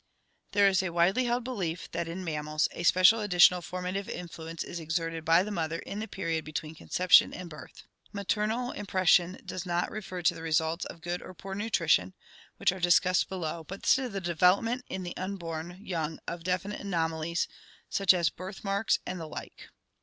— There is a widely held belief that in mam mals a special additional formative influence is exerted by the mother in the period between conception and birth. Maternal impression does not refer to the results of good or poor nutrition, which are discussed below, but to the development in the unborn young of definite anomalies such as birthmarks and the like.